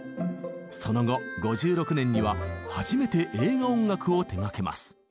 その後５６年には初めて映画音楽を手がけます。